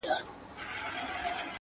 د تورو شپو سپين څراغونه مړه ســول.